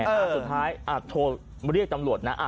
สุดท้ายโทรเรียกตำรวจนะ